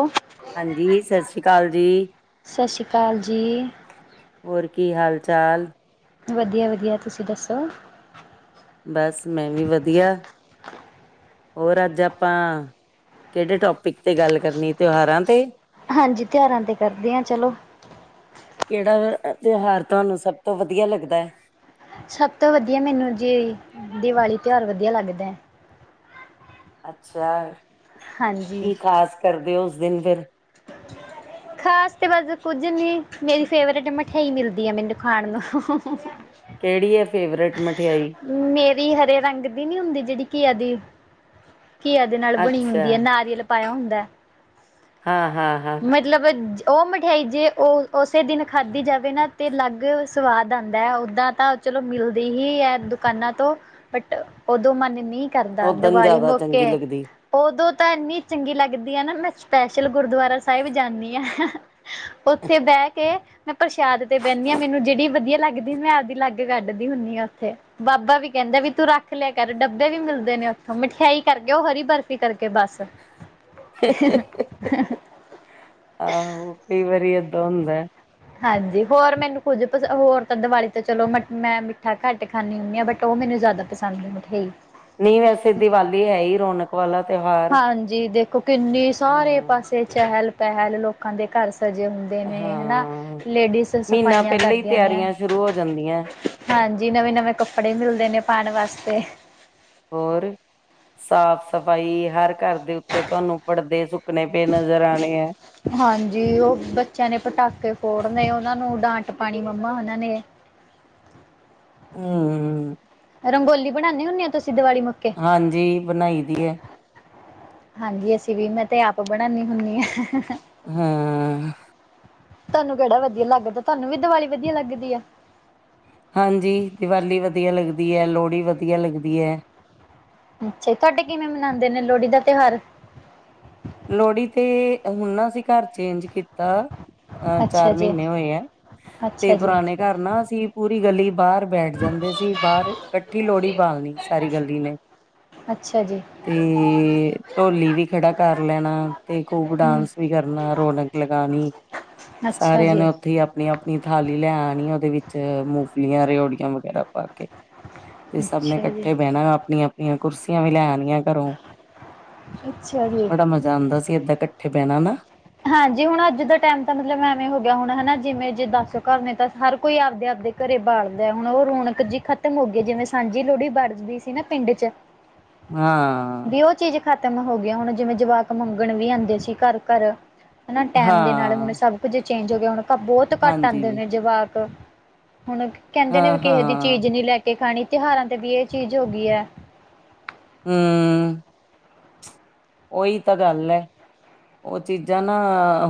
ਓਹ ਹਾਂਜੀ, ਸ ਸ਼੍ਰੀ ਕਾਲ ਜੀ। ਸਤ ਸ਼੍ਰੀ ਕਾਲ ਜੀ। ਹੋਰ ਕੀ ਹਾਲ-ਚਾਲ? ਵਧੀਆ ਵਧੀਆ, ਤੁਸੀਂ ਦੱਸੋ? ਬਸ ਮੈਂ ਵੀ ਵਧੀਆ। ਹੋਰ ਅੱਜ ਆਪਾਂ ਕੇੜੇ ਟੋਪਿਕ ਤੇ ਗੱਲ ਕਰਨੀ, ਤਿਉਹਾਰਾਂ ਤੇ। ਹਾਂਜੀ, ਤਿਉਹਾਰਾਂ ਤੇ ਕਰਦੇ ਆ ਚਲੋ। ਕੇੜਾ ਅਗਰ ਅ ਤਿਉਹਾਰ ਤੁਹਾਨੂੰ ਸਭ ਤੋਂ ਵਧੀਆ ਲੱਗਦੈ? ਸਭ ਤੋਂ ਵਧੀਆ ਮੈਨੂੰ ਜੀ ਦੀਵਾਲੀ ਤਿਉਹਾਰ ਵਧੀਆ ਲੱਗਦੈ। ਅੱਛਾ, ਹਾਂਜੀ ਕੀ ਖ਼ਾਸ ਕਰਦੇ ਹੋ ਉਸ ਦਿਨ ਫੇਰ? ਖਾਸ ਤੇ ਬਸ ਕੁੱਝ ਨੀ ਮੇਰੀ ਫੇਵਰੇਟ ਮਿਠਿਆਈ ਮਿਲਦੀ ਐ, ਮੈਨੂੰ ਖਾਣ ਨੂੰ। ਕੇੜੀ ਐ, ਫੇਵਰੇਟ ਮਿਠਿਆਈ? ਮੇਰੀ ਹਰੇ ਰੰਗ ਦੀ ਨੀ ਹੁੰਦੀ ਜੇੜੀ ਕੀਆ ਦੀ। ਘੀਆ ਦੇ ਨਾਲ ਬਣੀ ਅੱਛਾ ਹੁੰਦੀ ਐ ਨਾਰੀਅਲ ਪਾਯਾ ਹੁੰਦੈ। ਹਾਂ-ਹਾਂ-ਹਾਂ ਮਤਲਬ ਉਹ ਮਿਠਿਆਈ ਜੇ ਉਹ ਉਸੇ ਦਿਨ ਖਾਧੀ ਜਾਵੇ ਨਾ ਤਾਂ ਅਲੱਗ ਸਵਾਦ ਆਉਂਦਾ ਓਹਦਾ ਤਾਂ ਚਲੋ ਮਿਲਦੀ ਹੀ ਹੈ ਦੁਕਾਨਾਂ ਤੋਂ ਬਟ ਉਦੋਂ ਮਨ ਨੀ ਕਰਦਾ ਓਦਣ ਦੀਵਾਲੀ ਜ਼ਿਆਦਾ ਮੌਕੇ ਚੰਗੀ ਲੱਗਦੀ ਉਦੋਂ ਤਾਂ ਇੰਨੀ ਚੰਗੀ ਲੱਗਦੀ ਆ ਨਾ ਮੈਂ ਸਪੈਸ਼ਲ ਗੁਰਦੁਆਰਾ ਸਾਹਿਬ ਜਾਂਣੀ ਹਾਂ ਉੱਥੇ ਬਹਿ ਕੇ ਮੈਂ ਪ੍ਰਸ਼ਾਦ ਤੇ ਬਹਿੰਦੀ ਹਾਂ ਮੈਨੂੰ ਜਿਹੜੀ ਵਧੀਆ ਲਗਦੀ ਮੈਂ ਆਪਦੀ ਅੱਗ ਕੱਢਦੀ ਹੁੰਦੀ ਹਾਂ ਉੱਥੇ ਬਾਬਾ ਵੀ ਕਹਿੰਦੇ ਵੀ ਤੂੰ ਰੱਖ ਲਿਆ ਕਰ ਡੱਬੇ ਵੀ ਮਿਲਦੇ ਨੇ ਉੱਥੋਂ ਮਠਿਆਈ ਕਰਕੇ ਉਹ ਹਰੀ ਬਰਫ਼ੀ ਕਰਕੇ ਬਸ ਆਹੋ ਕਈ ਵਾਰੀ ਏਦਾਂ ਹੁੰਦਾ ਹਾਂਜੀ। ਹੋਰ ਮੈਨੂੰ ਕੁੱਝ ਪਸ ਹੋਰ ਤਾਂ ਦੀਵਾਲੀ ਤੇ ਚਲੋ ਮ ਮੈਂ ਮਿੱਠਾ ਘੱਟ ਖਾਂਦੀ ਹੁੰਦੀ ਹਾਂ। ਬਟ ਉਹ ਮੈਨੂੰ ਜ਼ਿਆਦਾ ਪਸੰਦ ਹਾਂਜੀ। ਮਿਠਯਾਈ ਨਹੀਂ, ਵੈਸੇ ਦੀਵਾਲੀ ਹੈ ਹੀ ਰੌਣਕ ਵਾਲਾ ਤਿਉਹਾਰ ਹਾਂਜੀ। ਦੇਖੋ ਕਿੰਨੀ ਸਾਰੇ ਹਾਂ ਪਾਸੇ ਚਹਿਲ- ਪਹਿਲ ਲੋਕਾਂ ਦੇ ਘਰ ਸਜੇ ਹੁੰਦੇ। ਨੇ ਹਨਾ। ਹਾਂ ਲੇਡੀਜ਼ ਮਹੀਨਾ ਸਫਾਈਆਂ ਪਹਿਲਾਂ ਹੀ ਕਰਦੀਆਂ ਨੇ। ਤਿਆਰੀਆਂ ਸ਼ੁਰੂ ਹੋ ਜਾਂਦੀਆਂ ਹਾਂਜੀ। ਨਵੇਂ-ਨਵੇਂ ਕੱਪੜੇ ਮਿਲਦੇ ਨੇ ਪਾਉਣ ਵਾਸਤੇ। ਹੋਰ ਸਾਫ ਸਫ਼ਾਈ ਹਰ ਘਰ ਦੇ ਉੱਤੇ ਤੁਹਾਨੂੰ ਪਰਦੇ ਸੁੱਕਣੇ ਪਏ ਨਜ਼ਰ ਆਉਣੇ ਆ ਹਾਂਜੀ ਉਹ ਬੱਚਿਆਂ ਨੇ ਪਟਾਕੇ ਫੋੜਨ ਉਹਨਾਂ ਨੂੰ ਡਾਂਟ ਪਾਉਣੀ ਮੰਮਾ ਉਹਨਾਂ ਨੇ ਹਾਂ ਹਮ ਰੰਗੋਲੀ ਬਣਾਉਂਦੇ ਹੁੰਦੇ ਹੋ ਤੁਸੀਂ ਦੀਵਾਲੀ ਵਾ ਹਾਂਜੀ। ਬਣਾਈ ਦੀ ਹੈ। ਹਾਂਜੀ, ਅਸੀਂ ਵੀ ਮੈਂ ਤੇ ਆਪ ਬਣਾਉਦੀ ਹੁੰਦੀ ਹਾਂ। ਹਾਂ। ਤੁਹਾਨੂੰ ਕਿਹੜਾ ਵਧੀਆ ਲੱਗਦਾ ਤੁਹਾਨੂੰ ਵੀ ਦੀਵਾਲੀ ਵਧੀਆ ਲੱਗਦੀ ਆ। ਹਾਂਜੀ। ਦੀਵਾਲੀ ਵਧੀਆ ਲੱਗਦੀ ਹੈ। ਲੋਹੜੀ ਵਧੀਆ ਲੱਗਦੀ ਹੈ। ਅੱਛਾ। ਤੁਹਾਡੇ ਕਿਵੇਂ ਮਨਾਉਂਦੇ ਨੇ ਲੋਹੜੀ ਦਾ ਤਿਉਹਾਰ। ਲੋਹੜੀ ਤੇ ਹੁਣ ਨਾ ਅਸੀਂ ਘਰ ਚੇਂਜ ਕੀਤਾ। ਅਹ ਅੱਛਾ ਚਾਰ ਜੀ ਮਹੀਨੇ ਹੋਏ ਆ ਅੱਛਾ ਤੇ ਜੀ ਪੁਰਾਣੇ ਘਰ ਨਾ ਸੀ ਪੂਰੀ ਗਲੀ ਬਾਹਰ ਬੈਠ ਜਾਂਦੇ ਸੀ ਬਾਹਰ ਇਕੱਠੀ ਲੋਹੜੀ ਬਿਲਣੀ ਅਸੀ। ਸਾਰੀ ਗੱਲੀ ਨੇ। ਅੱਛਾ ਜੀ ਤੇ ਢੋਲੀ ਵੀ ਖੜਾ ਕਰ ਲੈਣਾ। ਤੇ ਖੂਬ ਹਮ ਡਾਂਸ ਵੀ ਕਰਨਾ ਰੌਣਕ ਲਗਾਉਣੀ। ਅੱਛਾ ਸਾਰਿਆਂ ਜੀ ਨੇ ਉੱਥੇ ਆਪਣੀ-ਆਪਣੀ ਥਾਲੀ ਲੈ ਆਉਣੀ ਉਹਦੇ ਵਿੱਚ ਮੂੰਗਫਲੀਆਂ, ਰਓੜੀਆਂ ਵਗੈਰਾ ਪਾ ਕੇ- ਤੇ ਸਭ ਨੇ ਅੱਛਾ ਜੀ ਇਕੱਠੇ ਬਹਿਣਾ। ਆਪਣੀਆਂ-ਆਪਣੀਆਂ ਕੁਰਸੀਆਂ ਵੀ ਲੈ ਆਣੀਆਂ ਘਰੋਂ। ਅੱਛਾ ਜੀ। ਜਾਂਦਾ ਸੀ ਏਦਾਂ ਇਕੱਠੇ ਪਹਿਣਾ ਨਾ। ਹਾਂਜੀ, ਹੁਣ ਅੱਜ ਦਾ ਟਾਈਮ ਤਾਂ ਮਤਲਬ ਐਵੇਂ ਹੋ ਗਿਆ ਹੁਣ ਹਨਾ ਜਿਵੇਂ ਜੇ ਦੱਸ ਘਰ ਨੇ ਤਾਂ ਹਰ ਕੋਈ ਆਪਦੇ-ਆਪਦੇ ਘਰੇ ਬਾਲਦਾ ਹੁਣ ਉਹ ਰੌਣਕ ਜਿ ਖ਼ਤਮ ਹੋ ਗਈ ਜਿਵੇਂ ਸਾਂਝੀ ਲੋਹੜੀ ਵੜਦੀ ਸੀ ਨਾ ਪਿੰਡ ਚ' ਹਾਂ। ਵੀ ਉਹ ਚੀਜ਼ ਖਤਮ ਹੋ ਗਈ। ਹੁਣ ਜਿਵੇਂ ਜਵਾਕ ਮੰਗਣ ਵੀ ਆਉਂਦੇ ਸੀ ਘਰ-ਘਰ ਹਨਾ। ਟੈਮ ਦੇ ਨਾਲ ਹੁਣ ਹਾਂ ਸਭ ਕੁੱਝ ਚੇਂਜ ਹੋ ਗਿਆ ਹੁਣ ਬਹੁਤ ਘੱਟ ਹਾਂਜੀ ਆਉਂਦੇ ਨੇ ਜਵਾਕ ਹੁਣ ਕਹਿੰਦੇ ਹਾਂ ਨੇ ਵੀ ਕਿਸੇ ਦੀ ਹਾਂ ਚੀਜ਼ ਨੀ ਲੈ ਕੇ ਖਾਣੀ। ਤਿਉਹਾਰਾਂ ਤੇ ਵੀ ਇਹ ਚੀਜ਼ ਹੋ ਗਈ ਹੈ। ਹਮ ਉਹੀ ਤਾਂ ਗੱਲ ਹੈ। ਉਹ ਚੀਜ਼ਾਂ ਨਾ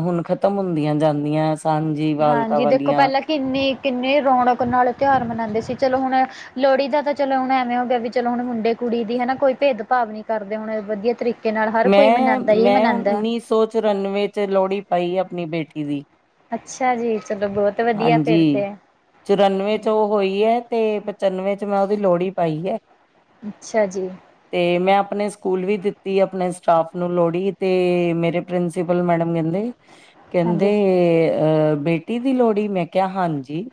ਹੁਣ ਖਤਮ ਹੁੰਦੀਆਂ ਜਾਂਦੀਆਂ। ਹਾਂਜੀ। ਵਾਰਤਾ ਹਾਂਜੀ ਦੇਖੋ ਵਾਲੀਆਂ ਪਹਿਲਾਂ ਕਿੰਨੀ- ਕਿੰਨੇ ਰੌਣਕ ਨਾਲ ਤਿਉਹਾਰ ਮਨਾਉਂਦੇ ਸੀ ਚਲੋ ਹੁਣ ਲੋਹੜੀ ਦਾ ਤਾਂ ਚਲੋ ਹੁਣ ਐਵੇਂ ਹੋ ਗਿਆ ਵੀ ਚਲੋ ਹੁਣ ਮੁੰਡੇ ਕੁੜੀ ਦੀ ਹੈਨਾ ਕੋਈ ਭੇਦ ਭਾਵ ਨੀ ਕਰਦੇ ਹੁਣ ਵਧੀਆ ਤਰੀਕੇ ਨਾਲ ਹਰ ਕੋਈ ਮੈਂ ਮਨਾਉਂਦਾ ਹੀ -ਮੈਂ ਮਨਾਉਂਦਾ। ਉੱਨੀ ਸੌ ਚੁਰਾਨਵੇਂ ਚ' ਲੋਹੜੀ ਪਾਈ ਆਪਣੀ ਬੇਟੀ ਦੀ। ਅੱਛਾ ਜੀ। ਚਲੋ ਬਹੁਤ ਵਧੀਆ ਫਿਰ ਹਾਂਜੀ। ਤੇ ਚੁਰਾਨਵੇਂ ਚ ਉਹ ਹੋਈ ਹੈ। ਤੇ' ਪਚਾਨਵੇਂ ਚ' ਮੈਂ ਉਹਦੀ ਲੋਹੜੀ ਪਾਈ ਹੈ। ਅੱਛਾ ਜੀ। ਤੇ' ਮੈਂ ਆਪਣੇ ਸਕੂਲ ਵੀ ਦਿੱਤੀ। ਆਪਣੇ ਸਟਾਫ ਨੂੰ ਲੋੜੀ ਤੇ' ਮੇਰੇ ਪ੍ਰਿੰਸੀਪਲ ਮੈਡਮ ਕਹਿੰਦੇ ਹਾਂਜੀ ਕਹਿੰਦੇ' ਅਹ ਬੇਟੀ ਦੀ ਲੋਹੜੀ। ਮੈਂ ਕਿਹਾ, ਹਾਂਜੀ।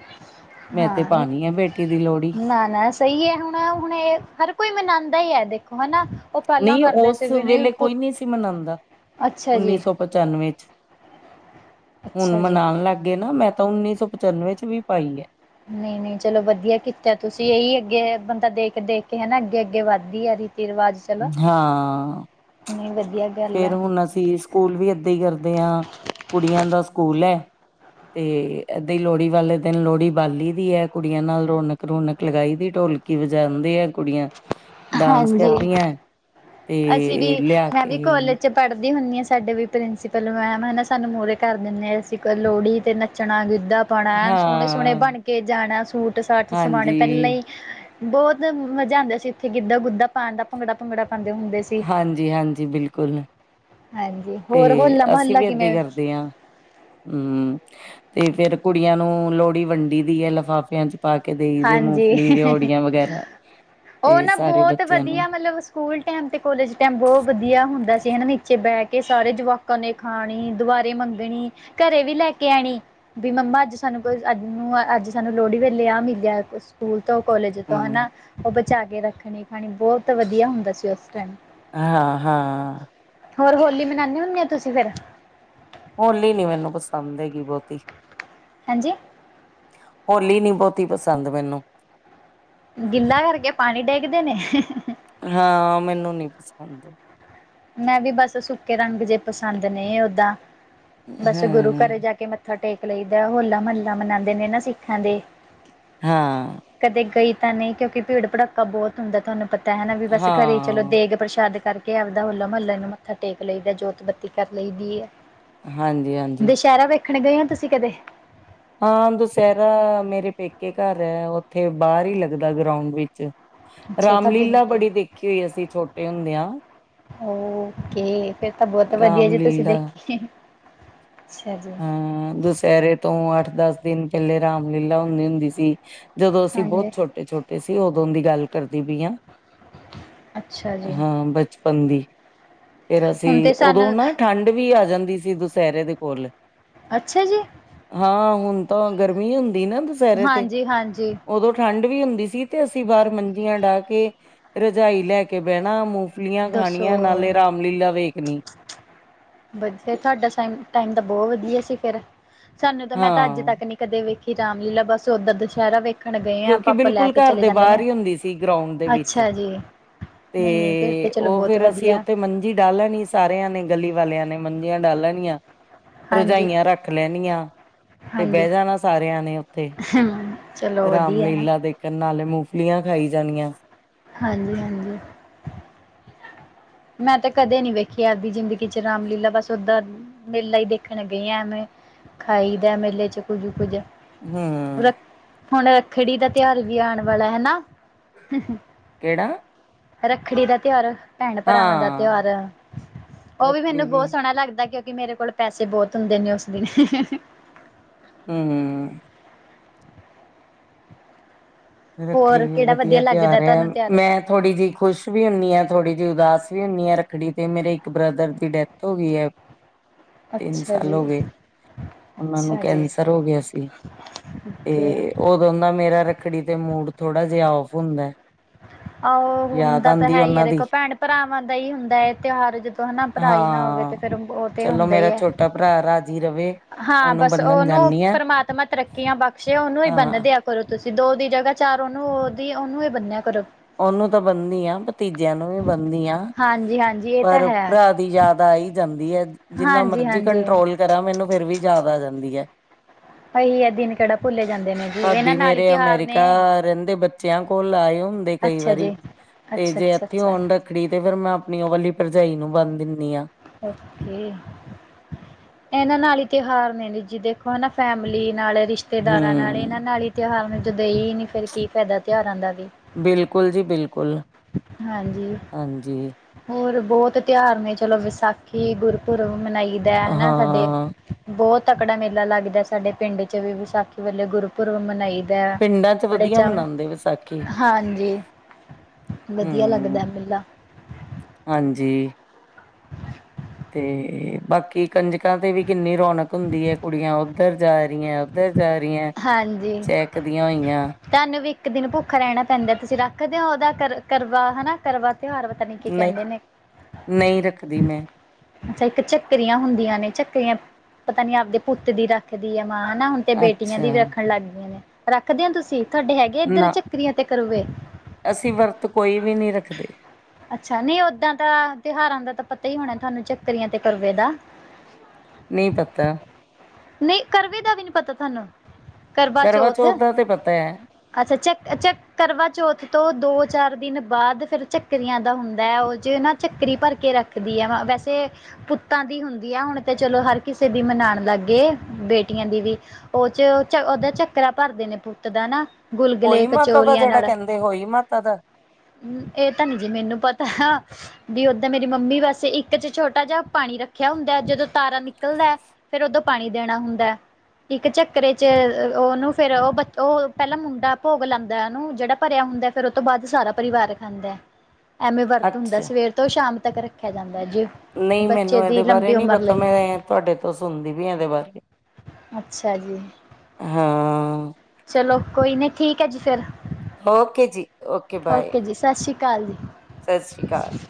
ਮੈਂ ਤੇ ਹਾਂ ਪਾਣੀ ਆ ਬੇਟੀ ਦੀ ਲੋਹੜੀ। [unintelligible] ਸਹੀ ਹੈ ਹੁਣ-ਹੁਣ ਇਹ ਹਰ ਕੋਈ ਮਨਾਉਂਦਾ ਹੀ ਹੈ। ਦੇਖੋ ਹਨਾ। ਉਹ ਪਹਿਲਾਂ ਨੀ ਕਰਦੇ ਉਸ ਸੀ ਵੀ ਨਹੀਂ ਵੇਲੇ ਪੁ ਕੋਈ ਨੀ ਸੀ ਮਨਾਉਂਦਾ। ਅੱਛਾ ਉੱਨੀ ਜੀ ਸੌ ਪਚਾਨਵੇਂ ਚ' ਹੁਣ ਅੱਛਾ ਜੀ ਮਨਾਉਣ ਲੱਗ ਗਏ ਨਾ। ਮੈਂ ਤਾਂ ਉੱਨੀ ਸੌ ਪਚਾਨਵੇਂ ਚ' ਵੀ ਪਾਈ ਹੈ। ਨਹੀਂ-ਨਹੀਂ ਚਲੋ ਵਧੀਆ ਕੀਤਾ ਤੁਸੀਂ ਇਹੀ ਅੱਗੇ ਬੰਦਾ ਦੇਖ ਕੇ ਦੇਖ ਕੇ ਹਨਾ ਅੱਗੇ-ਅੱਗੇ ਵੱਧਦੀ ਹੈ। ਐ ਰਵਾਜ਼ ਹਾਂ ਨਹੀਂ ਵ ਫੇਰ ਹੁਣ ਅਸੀਂ ਸਕੂਲ ਵੀ ਇਏਦਾਂ ਹੀ ਕਰਦੇ ਹਾਂ। ਕੁੜੀਆਂ ਦਾ ਸਕੂਲ ਹੈ। ਤੇ ਇਏਦਾਂ ਹੀ ਲੋਹੜੀ ਵਾਲੇ ਦਿਨ ਲੋਹੜੀ ਬਾਲੀ ਦੀ ਹੈ। ਕੁੜੀਆਂ ਨਾਲ ਰੌਣਕ-ਰੌਣਕ ਲਗਾਈ ਦੀ ਢੋਲਕ ਕਿ ਵਜਾਉਂਦੇ ਆ ਕੁੜੀਆਂ [inaudible] ਡਾਂਸ ਕਰਦੀਆਂ। ਤੇ' ਲਿਆ ਕੇ ਕੋਲੇਜ ਪੜ੍ਹਦੀ ਹੁੰਦੀ ਹਾਂ ਸਾਡੇ ਵੀ ਪ੍ਰਿੰਸੀਪਲ ਮੈਮ ਹਨਾ ਸਾਨੂੰ ਮੂਹਰੇ ਕਰ ਦਿੰਦੇ ਅਸੀਂ ਲੋਹੜੀ ਤੇ ਨੱਚਣਾ, ਗਿੱਧਾ ਬਣਾ ਹਾਂ ਸੋਹਣੇ-ਸੋਹਣੇ ਬਣ ਕੇ ਜਾਣਾ ਸੂਟ ਸਾਟ ਸਮਾਣੇ ਹਾਂਜੀ ਪਹਿਲਾਂ ਹੀ ਬਹੁਤ ਮਜ਼ਾ ਆਉਂਦਾ ਸੀ। ਇੱਥੇ ਗਿੱਧਾ-ਗੁੱਧਾ ਪਾਉਣ ਦਾ ਭੰਗੜਾ -ਭੰਗੜਾ ਪਾਉਂਦੇ ਹੁੰਦੇ ਸੀ। ਹਾਂਜੀ-ਹਾਂਜੀ ਬਿਲਕੁਲ ਹਾਂਜੀ ਤੇ ਹੋਰ ਹੋਲਾ ਅਸੀਂ ਮਹੱਲਾ ਵੀ ਏਦਾਂ ਹੀ ਕਿਵੇਂ ਕਰਦੇ ਹਾਂ। ਹਮ ਤੇ ਫੇਰ ਕੁੜੀਆਂ ਨੂੰ ਲੋਹੜੀ ਵੰਡੀ ਦੀ ਹੈ। ਲਿਫਾਫਿਆਂ ਚ' ਪਾ ਕੇ ਦੇਈ ਦੇ ਮੂੰਗਫਲੀ, ਹਾਂਜੀ ਦਿਓੜੀਆਂ ਵਗੈਰਾ ਉਹ ਤੇ ਨਾ ਸਾਰੇ ਬਹੁਤ ਬੱਚਿਆਂ ਨੂੰ ਵਧੀਆ ਮਤਲਬ ਸਕੂਲ ਟਾਈਮ ਤੇ ਕੋਾਲਜ ਟਾਈਮ ਬਹੁਤ ਵਧੀਆ ਹੁੰਦਾ ਸੀ। ਹਨਾ ਨੀਚੇ ਬਹਿ ਕੇ ਸਾਰੇ ਜਵਾਕਾਂ ਨੂੰ ਖਾਣੀ ਦੁਬਾਰੇ ਮੰਗਣੀ ਘਰੇ ਵੀ ਲੈ ਕੇ ਆਣੀ ਵੀ ਮੰਮਾ ਅੱਜ ਸਾਨੂੰ ਅ' ਅੱਜ ਸਾਨੂੰ ਲੋਹੜੀ ਵੇਲੇ ਆਹ ਮਿਲੀ ਜਾਂ ਸਕੂਲ ਤੋਂ ਕੋਾਲਜ ਤੋਂ ਹਮ ਹਨਾ ਉਹ ਬੱਚੇ ਚਾ ਕੇ ਰੱਖਣੀ ਖਾਣੀ ਬਹੁਤ ਵਧੀਆ ਹੁੰਦਾ ਸੀ। ਉਸ ਟਾਈਮ ਹਾਂ ਹਾਂ ਹੋਰ ਹੋਲੀ ਮਨਾਉਂਦੇ ਹੁੰਦੇ ਹੋ ਤੁਸੀਂ ਫਿਰ ਹੋਲੀ ਨੀ ਮੈਨੂੰ ਪਸੰਦ ਹੈਗੀ ਬਹੁਤੀ ਹਾਂਜੀ ਹੋਲੀ ਨੀ ਬਹੁਤੀ ਪਸੰਦ ਮੈਨੂੰ ਗਿੱਲਾ ਕਰਕੇ ਪਾਣੀ ਡੇਕਦੇ ਨੇ ਹਾਂ ਮੈਨੂੰ ਨੀ ਪਸੰਦ ਮੈਂ ਵੀ ਬਸ ਸੁੱਕੇ ਰੰਗ ਜੇ ਪਸੰਦ ਨਹੀਂ ਓਦਾਾਂ ਬਸ ਗੁਰੂ ਹਮ ਘਰੇ ਜਾ ਕੇ ਮ ਮੱਥਾ ਟੇਕ ਲਈਦਾ ਹੋਲਾ ਮਹੱਲਾ ਮਨਾਉਂਦੇ ਨੇ ਨਾ ਸਿੱਖਾਂ ਦੇ ਹਾਂ ਕਦੇ ਗਈ ਤਾਂ ਨਹੀਂ ਕਿਉਂਕਿ ਭੀੜ, ਭੜਾਕਾ ਬਹੁਤ ਹੁੰਦਾ ਤੁਹਾਨੂੰ ਪਤਾ ਤਾਂ ਹਨਾ ਵੀ ਬਸ ਘਰੇ ਚਲੋ ਹਾਂ ਦੇਗ ਪ੍ਰਸ਼ਾਦ ਕਰਕੇ ਆ ਹਲਾ ਮਹੱਲਲਾ ਨੂੰ ਮੱਥਾ ਟੇਕ ਲਈਦਾ ਜੋਤ ਬੱਤੀ ਕਰ ਲਈ ਦੀ ਹੈ। ਹਾਂਜੀ ਹਾਂਜੀ ਦੁਸਹਿਰਾ ਵਿੱਚ ਦੇਣ ਗਏ ਹੋ ਤੁਸੀਂ ਕਦੇ ਹਾਂ ਦੁਸਹਿਰਾ ਮੇਰੇ ਪੇਕੇ ਘਰ ਹੈ। ਉੱਥੇ ਬਾਹਰ ਹੀ ਲੱਗਦਾ ਗਰਾਉਂਡ ਵਿੱਚ ਅੱਛਾ ਤੁਹਾਡੇ ਰਾਮਲੀਲਾ ਨੇੜੇ ਬੜੀ ਦੇਖੀ ਹੋਈ ਅਸੀਂ ਛੋਟੇ ਹੁੰਦੇ ਹਾਂ ਓਕੇ ਫੇਰ ਤਾਂ ਬਹੁਤ ਵਧੀਆ ਜੀ ਤੁਸੀਂ ਰਾਮਲੀਲਾ ਦੇਖੀ ਅੱਛਾ ਜੀ ਅਹ ਦੁਸਹਿਰੇ ਤੋਂ ਅੱਠ ਦਸ, ਦਿਨ ਪਹਿਲੇ ਰਾਮ ਲਲਾ ਹੁੰਦੀ-ਹੁੰਦੀ ਸੀ। ਜਦੋਂ ਅਸੀਂ ਬਹੁਤ ਹਾਂਜੀ ਛੋਟੇ-ਛੋਟੇ ਸੀ। ਉਦੋਂ ਦੀ ਗੱਲ ਕਰਦੀ ਪਈ ਹਾਂ ਅੱਛਾ ਜੀ ਹਾਂ ਬਚਪਨ ਦੀ। ਫੇਰ ਹੁਣ ਅਸੀ, ਤੇ ਔਦੋਂ ਸਾਨੂੰ ਨਾ ਠੰਡ ਵੀ ਆ ਜਾਂਦੀ ਸੀ ਦੁਸੈਰੇ ਦੇ ਕੋਲ। ਅੱਛਾ ਜੀ। ਹਾਂ ਹੁਨ ਤਾਂ ਗਰਮੀ ਹੁੰਦੀ ਨਾ ਦੁਸੈਰੇ ਤੇ, ਹਾਂਜੀ ਹਾਂਜੀ ਔਦੋਂ ਠੰਡ ਵੀ ਹੁੰਦੀ ਸੀ, ਤੇ ਅਸੀ ਬਾਰ ਮੰਜੀਆਂ ਡਾ ਕੇ, ਰਜਾਈ ਲੈ ਕੇ ਬੈਣਾ ਮੂੰ ਫੁਲੀਆਂ ਦੋ ਸੌ ਖਾਨੀਆਂ ਨਾਲੇ ਰਾਮਲੀਲਾ ਵੇਖਨੀ। ਵਦੀਆ ਥੋਡਾ ਟਾਈਮ ਤਾਂ ਬੋ ਵਦੀਆ ਸੀ ਫੇਰ, ਸਾਨੂੰ ਤਾਂ ਮੈਂ ਤਾਂ ਅੱਜ ਹਾਂ ਤੱਕ ਨੀ ਕਦੇ ਵੇਖੀ ਰਾਮਲੀਲਾ, ਬਸ ਔਦਰ ਦਸ਼ੈਰਾ ਵੇਖ ਕੇਉਂਕਿ ਬਿਲਕੁਲ ਕਾਰ ਦੇ ਬਾਰ ਹੀ ਹੁੰਦੀ ਸੀ ਗਰਾਊਂਂਡ ਦੇ ਵਿੱਚ। ਅੱਛਾ ਜੀ ਨਹੀਂ ਨਹੀਂ ਫਿਰ ਤਾਂ ਚਲੋ ਤੇ--ਔ ਬਹੁਤ ਫੇਰ ਅਸੀਂ ਵਧੀਆ ਔਥੇ ਮੰ ਜੀ ਡਾ ਲੈਨੀ ਸਾਰੇਆਂ ਨੇ ਗਲੀ ਵਾਲੇਆਂ ਨੇ ਮੰਜੀਆਂ ਡਾ ਲੈਨੀਆਂ। ਹਾਂਜੀ ਰਜਾਈਆਂ ਰੱਖ ਲੈਨੀਆਂ, ਤੇ ਬੈ ਜਾਨਾ ਸਾਰੇਆਂ ਨੇ ਔਥੇ। ਹੂੰ ਰਾਮਲੀਲਾ ਦੇਖਨ, ਨਾਲੇ ਮੁਫਲੀਆਂ ਖਾਈ ਜਾਣੀਆਂ। ਹਾਂਜੀ, ਹਾਂਜੀ। ਮੈਂ ਤੇ ਕਦੇ ਨੀ ਵੇਖੀ ਆਪਦੀ ਜ਼ਿੰਦਗੀ ਚ ਰਾਮਲੀਲਾ ਬਸ ਔਦਾਂ ਮੇਲਾ ਈ ਦੇਖਣ ਗਏ, ਐਵੇਂ ਖਾਈ ਦੈ ਮੇਲੇ ਚ ਕੁਝ-ਕੁਝ। ਹੂੰ ਹੁਣ ਰੱਖੜੀ ਦਾ ਤੇਆਰ ਵੀ ਆਣ ਵੜੈ ਹੈ ਨਾ? ਕੇੜਾ? ਰੱਖੜੀ ਦਾ ਤੇਆਰ ਭੈਣ ਭਰਾਵਾਂ ਦਾ ਹਾਂ ਤੇਆਰ ਐ। ਉਹ ਵੀ ਮੈਨੂੰ ਬੋ ਸੋਣਾ ਲੱਗਦਾ ਕਿ ਮੇਰੇ ਕੋਲ ਪੈਸੇ ਬੋਤ ਹੁੰਦੇ ਨੇ ਔਸ ਦਿਣ ਹੂੰ, ਹੂੰ ਰੱਖੜੀ ਹੋਰ ਵੀ ਕਿਹੜਾ ਵਧੀਆ ਵਦੀਆ ਤਿਉਆਰ ਲੱਗਦਾ ਆ ਤੁਹਾਨੂੰ ਤਿਉਹਾਰ ਮੈਂ ਥੋੜੀ ਜਿ ਖੁਸ਼ ਵੀ ਹੁੰਨੀ ਆਂ, ਥੋੜੀ ਜਿ ਉਦਾਸ ਵੀ ਹੁੰਨੀ ਆਂ, ਰੱਖੜੀ ਤੇ ਮੇਰੇ ਇੱਕ ਬ੍ਰਦਰ ਦੀ ਡੈਥ ਹੋ ਗਈ ਐ ਤਿੰਨ ਅੱਛਾ ਸਾਲ ਜੀ ਹੋ ਗੇ। ਔਨਾਂ ਨੂੰ ਅੱਛਾ ਜੀ ਕੈਂਸਰ ਹੋ ਗੇਆ ਸੀ। ਓਕੇ ਏ ਔਦੋਂ ਦਾ ਮੇਰਾ ਰੱਖੜੀ ਤੇ ਮੂਡ ਥੋੜਾ ਜੇਆ ਔਫ ਹੁੰਦੈ। ਆਹੋ ਹੁੰਦਾ ਤਾਂ ਹੈ ਹੀ ਐ। ਦੇਖੋ ਭੈਣ ਭਰਾਵਾਂ ਦਾ ਹੀ ਹੁੰਦਾ ਐ ਤੇਓਹਾਰ, ਜਦੋਂ ਹਨਾ ਭਰਾ ਈ ਨਾ ਹੋਵੇ ਤੇ ਹਾਂ ਫੇਰ ਔ ਤੇ ਚਲੋ ਹੁੰਦਾ ਈ ਐ। [unintelligible] ਹਾਂ ਉਹਨੂੰ ਬਸ ਬੰਨਣ ਔਨੂੰ ਜਾਂਦੀ ਆ ਪਰਮਾਤਮਾ ਤਰੱਕੀਆਂ ਬਕਸ਼ੇ, ਔਨੂੰ ਈ ਹਾਂ ਬੰਨਦੇ ਆ ਕਰੋ ਤੁਸੀਂ ਦੋ ਦੀ ਜਗਾ ਚਾਰ ਔਨੂੰ ਔਦੀ ਔਨੂੰ ਈ ਬੰਨਿਆ ਕਰੋ। ਔਨੂੰ ਤਾਂ ਬਨੀ ਆਂ, ਭਤੀਜੇਆਂ ਨੂੰ ਵੀ ਬਨੀ ਆਂ। ਹਾਂਜੀ ਹਾਂਜੀ ਇਹ ਤਾਂ ਪਰ ਹੈ ਪਰਾ ਦੀ ਯਾਦ ਆ ਈ ਜਾਂਦੀ ਐ, ਜਿੰਨਾ ਹਾਂਜੀ ਮਰਜੀ ਹਾਂਜੀ ਕੰਟਰੋਲ ਕਰਾਂ ਮੈਨੂੰ ਫੇਰ ਵੀ ਯਾਦ ਆ ਜਾਂਦੀ ਐ ਇਹੀ ਹੈ ਦਿਨ ਕਿਹੜਾ ਭੁੱਲੇ ਜਾਂਦੇ ਨੇ ਜੀ ਇਹਨਾਂ ਪਾਬੀ ਨਾਲ ਹੀ ਮੇਰੇ ਤਿਉਹਾਰ ਅਮੈਰੀਕਾ ਨੇ ਰੈੰਦੇ ਬੱ ਬੱਚਿਆਂ ਕੋਲ ਆਏ ਹੁੰਦੇ ਕਈ ਅੱਛਾ ਵਾਰੀ ਜੀ ਤੇ ਅੱਛਾ ਜੇ ਅੱਛਾ ਐਥੇ ਅੱਛਾ ਔਨ ਰੱਖੜੀ ਤੇ ਫੇਰ ਮੈਂ ਅਪਣੀ ਔ ਵਲੀ ਪਰਜਾਈ ਨੂੰ ਬੰਨ ਦਿੰਨੀ ਆਂ। ਔਕੇ ਐਨਾਂ ਨਾਲ ਈ ਤੇਹਾਰ ਨੇ, ਜੀ ਦੇਖੋ ਨਾ ਫੈਮਲੀ ਨਾਲ ਰਿਸ਼ਤੇ ਰਿਸ਼ਤੇਦਾਰਾਂ ਨਾੜ ਹਮ ਏਨਾਂ ਨਾੜ ਹੀ ਤੇਹਾਰ ਨੇ, ਜਦ ਏ ਈ ਨੀ ਫੇਰ ਕੀ ਫੈਦਾ ਤੇਹਾਰਾਂ ਦਾ ਵੀ। ਬਿਲਕੁਲ ਜੀ ਬਿਲਕੁਲ। ਹਾਂਜੀ ਹਾਂਜੀ ਹੋਰ ਬੋਤ ਤੇਓਆਰ ਨੇ ਚਲੋ ਵਿਸਾਖੀ ਗੁਰਪੁਰਬ ਮਨਾਈ ਦੈ ਹਨਾ ਸਾਡੇ। ਹਾਂ ਬੋਤ ਤਕੜਾ ਮੇਲਾ ਲੱਗਦਾ ਸਾਡੇ ਪਿੰਡ ਚ ਵੀ ਵਿਸਾਖੀ ਵੱਲੇ ਗੁਰਪੁਰਬ ਮਨਾਈ ਪਿੰਡਾਂ ਚ ਵਧੀਆ ਮਨਾਉਂਦੇ ਵਿਸਾਖੀ [unintelligible] ਵਦੀਆ ਲੱਗਦੈ ਮੇਲਾ। ਹਂਜੀ ਤੇ ਬਾਕੀ ਕੰਜਕਾਂ ਤੇ ਵੀ ਕਿੰਨੀ ਰੌਣਕ ਹੁੰਦੀ ਏ ਕੁੜੀਆਂ ਔਦਰ ਜਾ ਰੀਐਂ ਜਾ ਰਹੀਆਂ ਹਾਂਜੀ ਚੈਕਦੀਆਂ ਹੋਈਆਂ ਤੁਹਾਨੂੰ ਵੀ ਇੱਕ ਦਿਨ ਭੁੱਖਾ ਰਹਿਣਾ ਪੈਂਦਾ ਤੁਸੀਂ ਰੱਖਦੇ ਹੋ ਉਹਦਾ ਕਰ ਕਰਵਾ ਹਨਾ ਕਰਵਾ ਤਿਉਹਾਰ ਪਤਾ ਨੀ ਕੀ ਨਹੀਂ ਕਹਿੰਦੇ ਨੇ ਨਹੀਂ ਰੱਖਦੀ ਮੈਂ ਅੱਛਾ ਇੱਕ ਝੱਕਰੀਆਂ ਹੁੰਦੀਆਂ ਨੇ ਝੱਕਰੀਆਂ ਪਤਾ ਨੀ ਆਪਦੇ ਪੁੱਤ ਦੀ ਰੱਖਦੀ ਹੈ ਮਾਂ ਹਨਾ ਹ ਤੇ ਬੇਟੀਆਂ ਅੱਛਾ ਦੀ ਵੀ ਰੱਖਣ ਲੱਗ ਗਈਆਂ ਨੇ ਰੱਖਦੇ ਹੋ ਤੁਸੀਂ ਤੁਹਾਡੇ ਹੈਗੇ ਇੱਧਰ ਨਾ ਚੱਕਰੀਆਂ ਤੇ ਕਰੋਵੇ ਅਸੀਂ ਵਰਤ ਕੋਈ ਵੀ ਨਹੀਂ ਰੱਖਦੇ ਅੱਛਾ ਨਹੀਂ ਓਦਾਂ ਦਾ ਤਿਉਹਾਰਾਂ ਦਾ ਤਾਂ ਪਤਾ ਹੀ ਹੋਣਾ ਤੁਹਾਨੂੰ ਚੱਕਰੀਆਂ ਤੇ ਕਰਵੇ ਦਾ [inaudible] ਨਹੀਂ ਪਤਾ ਨਹੀਂ ਕਰਵੇ ਦਾ ਵੀ ਨੀ ਪਤਾ ਤੁਹਾਨੂੰ ਕਰਵਾ ਕਰਵਾਚੌਥ ਚੌਥ ਦਾ ਤੇ ਪਤਾ ਹੈ ਅੱਛਾ ਚੈੱਕ ਚੱਕ ਕਰਵਾਚੌਥ ਤੋਂ ਦੋ ਚਾਰ ਦਿਨ ਬਾਅਦ ਫਿਰ ਚੱਕਰੀਆਂ ਦਾ ਹੁੰਦਾ ਹੈ ਉਹ ਜੇ ਨਾ ਚੱਕਰੀ ਭਰ ਕੇ ਰੱਖ ਰਦੀ ਹੈ ਵਾ ਵੈਸੇ ਪੁੱਤਾਂ ਦੀ ਹੁੰਦੀ ਹੈ ਹੁਣ ਤੇ ਚਲੋ ਹਰ ਕਿਸੇ ਦੀ ਮਨਾਉਣ ਲੱਗ ਗਏ ਬੇਟੀਆਂ ਦੀ ਵੀ ਉਹ ਚ ਦਾ ਚੱਕਰਾ ਭਰਦੇ ਨੇ ਪੁੱਤ ਦਾ ਨਾ ਗੁਲਗੁਲੇ ਹੋਈ ਮਾਤਾ ਦਾ ਕਚੋਰੀਆ ਜਿਹੜਾ ਨਾਲੜਾ ਕਹਿੰਦੇ ਹੋਈ ਮਾਤਾ ਦਾ ਇਹ ਤਾਂ ਨੀ ਜੀ ਮੈਨੂੰ ਪਤਾ ਵੀ ਓਦਾਂ ਮੇਰੀ ਮੰਮੀ ਵਸੇ ਇੱਕ ਚ ਛੋਟਾ ਜਿਹਾ ਪਾਣੀ ਰੱਖਿਆ ਹੁੰਦਾ ਜਦੋਂ ਤਾਰਾ ਨਿਕਲਦਾ ਹੈ ਫੇਰ ਉਦੋਂ ਪਾਣੀ ਦੇਣਾ ਹੁੰਦਾ ਹੈ ਇੱਕ ਚੱਕਰੇ ਚ ਉਹਨੂੰ ਫੇਰ ਉਹ ਉਹ ਪਹਿਲਾਂ ਮੁੰਡਾ ਭੋਗ ਲੈਂਦਾ ਉਹਨੂੰ ਜਿਹੜਾ ਭਰਿਆ ਹੁੰਦਾ ਫਿਰ ਉਹ ਤੋਂ ਬਾਅਦ ਸਾਰਾ ਪਰਿਵਾਰ ਖਾਂਦਾ ਐਵੇਂ ਵਰਤ ਹੁੰਦਾ ਅੱਛਾ ਸਵੇਰ ਤੋਂ ਸ਼ਾਮ ਤੱਕ ਰੱਖਿਆ ਜਾਂਦਾ ਹੈ ਜੇ ਨਹੀਂ ਮੈਨੂੰ ਇਹਦੇ ਬਾਰੇ ਨਹੀਂੀ ਪਤਾ ਮੈਂ ਤੁਹਾਡੇ ਤੋਂ ਸੁਣਦੀ ਵੀ ਇਹਦੇ ਬਾਰੇ ਅੱਛਾ ਜੀ ਹਾਂ ਚਲੋ ਕੋਈ ਨਹੀਂ ਠੀਕ ਹੈ ਜੀ ਫਿਰ ਓਕੇ ਜੀ ਬਾਏ ਓਕੇ ਜੀ ਸਤਿ ਸ੍ਰੀ ਅਕਾਲ ਸਤਿ ਸ਼੍ਰੀ ਅਕਾਲ ਜੀ